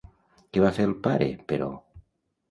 Què va fer el pare, però?